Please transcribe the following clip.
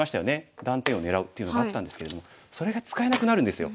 断点を狙うというのがあったんですけれどそれが使えなくなるんですよ。